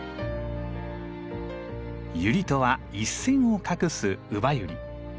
ユリとは一線を画すウバユリ。